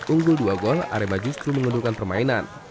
unggul dua gol arema justru mengundurkan permainan